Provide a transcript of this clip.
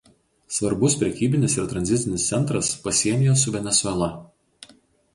Svarbus prekybinis ir tranzitinis centras pasienyje su Venesuela.